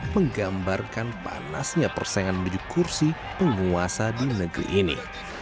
dua ribu sembilan belas menggambarkan panasnya persaingan menuju kursi penguasa di negeri ini